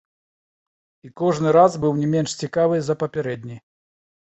І кожны раз быў не менш цікавы за папярэдні.